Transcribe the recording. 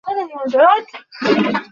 কোনো সহানুভূতি দেখাবে না।